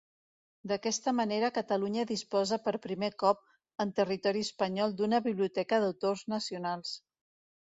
D'aquesta manera Catalunya disposa per primer cop en territori espanyol d'una biblioteca d'autors nacionals.